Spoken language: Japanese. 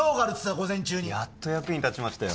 午前中にやっと役に立ちましたよ